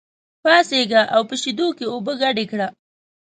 پاڅېږه او په شېدو کې اوبه ګډې کړه.